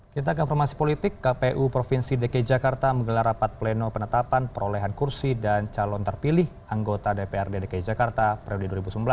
kita ke informasi politik kpu provinsi dki jakarta menggelar rapat pleno penetapan perolehan kursi dan calon terpilih anggota dprd dki jakarta periode dua ribu sembilan belas dua ribu dua